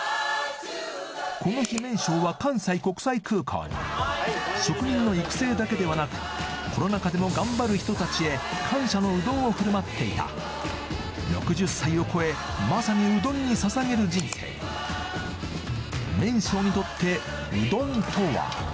この日麺匠は関西国際空港に職人の育成だけではなくコロナ禍でも頑張る人たちへ感謝のうどんをふるまっていた６０歳を超えまさにうどんにささげる人生麺匠にとってうどんとは？